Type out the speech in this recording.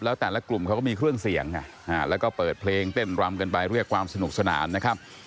แล้วแต่ละกลุ่มเขาก็มีเครื่องเสียงแล้วก็เปิดเพลงเต้นรำกันไปเรียกความสนุกสนานนะครับ